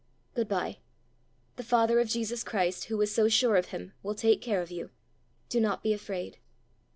Good bye. The father of Jesus Christ, who was so sure of him, will take care of you: do not be afraid."